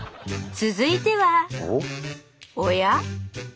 続いてはおや？